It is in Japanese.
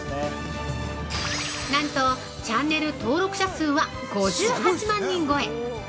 なんと、チャンネル登録者数は５８万人超え！